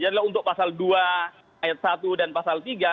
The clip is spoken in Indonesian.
dan untuk pasal dua ayat satu dan pasal tiga